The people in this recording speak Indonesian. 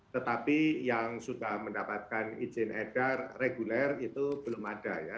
tetapi yang sudah mendapatkan izin edar reguler itu belum ada ya